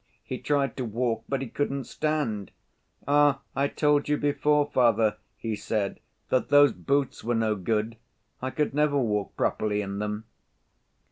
He tried to walk, but he couldn't stand. 'Ah, I told you before, father,' he said, 'that those boots were no good. I could never walk properly in them.